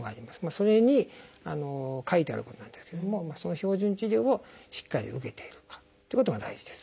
それに書いてあることなんですけれどもその標準治療をしっかり受けているかってことが大事です。